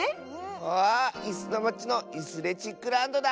わあいすのまちのイスレチックランドだ！